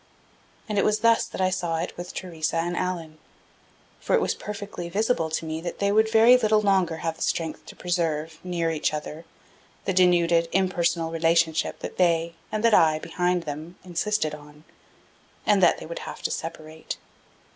And it was thus that I saw it with Theresa and Allan. For it was perfectly visible to me that they would very little longer have the strength to preserve, near each other, the denuded impersonal relation that they, and that I, behind them, insisted on; and that they would have to separate.